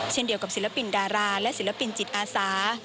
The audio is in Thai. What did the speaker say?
เช่นเดียวกับศิลปินดาราและศิลปินจิตอาสา